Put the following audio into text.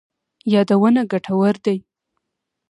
یادونه ګټور دي.